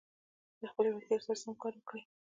د خپلي وړتیا سره سم کار وکړئ.